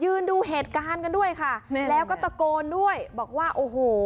ดูเหตุการณ์กันด้วยค่ะแล้วก็ตะโกนด้วยบอกว่าโอ้โห